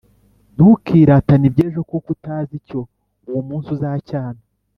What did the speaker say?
ntukiratane iby’ejo, kuko utazi icyo uwo munsi uzacyana